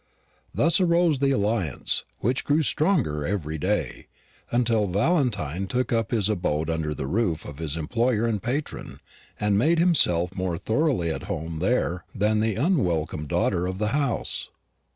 Thus arose the alliance, which grew stronger every day, until Valentine took up his abode under the roof of his employer and patron, and made himself more thoroughly at home there than the unwelcome daughter of the house.